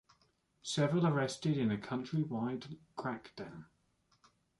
Several arrested in a countrywide crackdown.